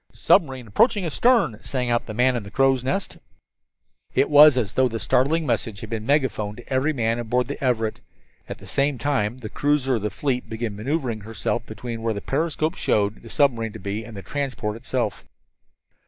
"Submarine approaching astern!" sang out the man in the crow's nest. It was as though the startling message had been megaphoned to every man aboard the Everett. At the same time the cruiser of the fleet began maneuvering herself between where the periscope showed the submarine to be and the transport itself.